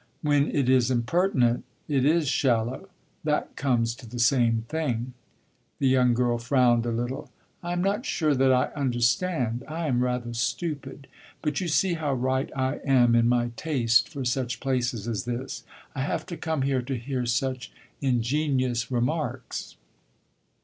"When it is impertinent it is shallow. That comes to the same thing." The young girl frowned a little. "I am not sure that I understand I am rather stupid. But you see how right I am in my taste for such places as this. I have to come here to hear such ingenious remarks."